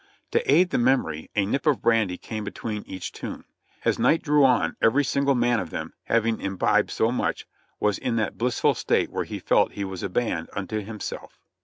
To aid the memory, a nip of brandy came between each tune. As night drew on every single man of them, having imbibed so much, was in that blissful state where he felt he was a band unto himself.